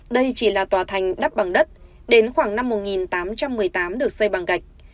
đây chỉ là tòa thành đắp bằng đất đến khoảng năm một nghìn tám trăm một mươi tám được xây bằng gạch